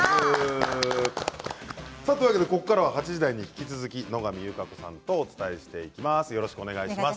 ここからは８時台に引き続き、野上優佳子さんとお伝えしていきます。